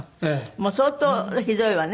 もう相当ひどいわね。